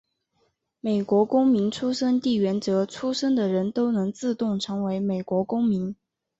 美国公民出生地原则出生的人都能自动成为美国公民。